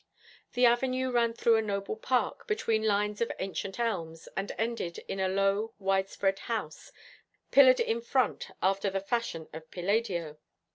The avenue ran through a noble park, between lines of ancient elms, and ended in a low, widespread house, pillared in front after the fashion of Palladio.